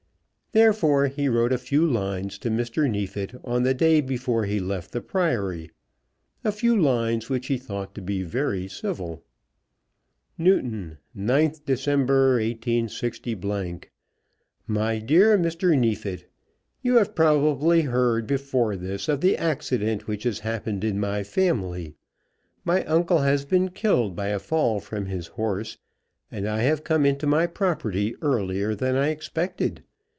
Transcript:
Therefore he wrote a few lines to Mr. Neefit on the day before he left the Priory, a few lines which he thought to be very civil. Newton, 9th December, 186 . MY DEAR MR. NEEFIT, You have probably heard before this of the accident which has happened in my family. My uncle has been killed by a fall from his horse, and I have come into my property earlier than I expected.